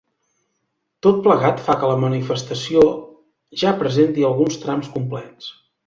Tot plegat fa que la manifestació ja presenti alguns trams complets.